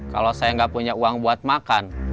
kalau saya nggak punya uang buat makan